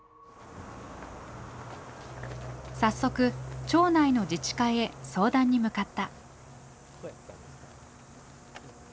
早速町内の自治会へ相談に向かった。